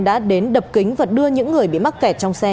đã đến đập kính và đưa những người bị mắc kẹt trong xe